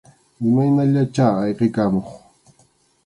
Imaynallatachá ayqikamuq.